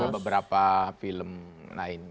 ada beberapa film lainnya